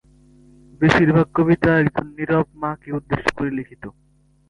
বেশিরভাগ কবিতা একজন নীরব মাকে উদ্দেশ্য করে লিখিত।